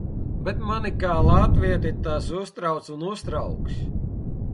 Bet mani kā latvieti tas uztrauc un uztrauks!